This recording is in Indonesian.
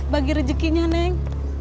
bagi rezekinya neng